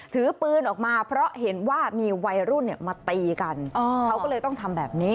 ถือปืนออกมาเพราะเห็นว่ามีวัยรุ่นมาตีกันเขาก็เลยต้องทำแบบนี้